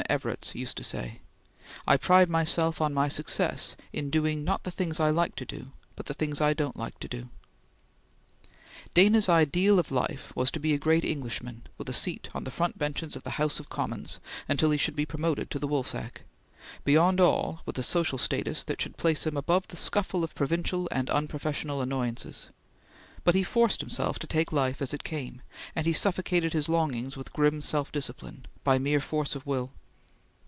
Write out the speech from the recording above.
Evarts used to say: "I pride myself on my success in doing not the things I like to do, but the things I don't like to do." Dana's ideal of life was to be a great Englishman, with a seat on the front benches of the House of Commons until he should be promoted to the woolsack; beyond all, with a social status that should place him above the scuffle of provincial and unprofessional annoyances; but he forced himself to take life as it came, and he suffocated his longings with grim self discipline, by mere force of will.